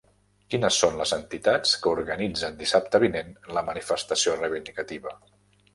Quines són les entitats que organitzen dissabte vinent la manifestació reivindicativa?